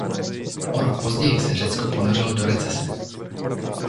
O rok později se Řecko ponořilo do recese.